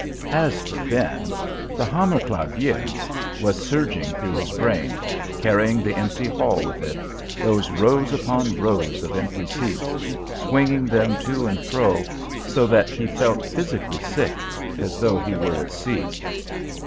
As for Ben, the "Hammerclavier" was surging through his brain, carrying the empty hall with it, those rows upon rows of empty seats swinging them to and fro so that he felt physically sick, as though he were at sea.